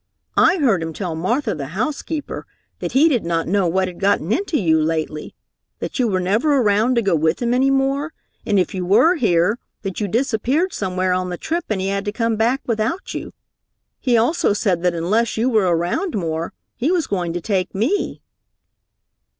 "I heard him tell Martha, the housekeeper, that he did not know what had gotten into you lately, that you were never around to go with him any more, and if you were here, that you disappeared somewhere on the trip and he had to come back without you. He also said that unless you were around more, he was going to take me."